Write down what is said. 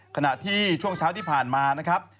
ขณะที่ช่วงเช้าที่ผ่านมานะครับ